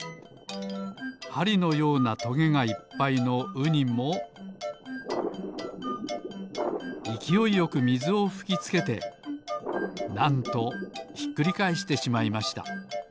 ハリのようなトゲがいっぱいのウニもいきおいよくみずをふきつけてなんとひっくりかえしてしまいました。